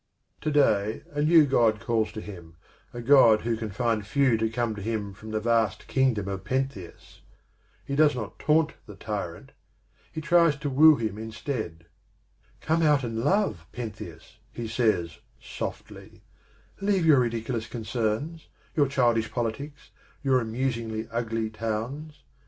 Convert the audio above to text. To day a new God calls to him, a God who can find few to come to him from the vast kingdom of Pentheus. He does not taunt the tyrant ; he tries to woo him instead. " Come out and love, Pentheus," he says softly; "leave your ridiculous concerns, your childish politics, your amusingly ugly towns.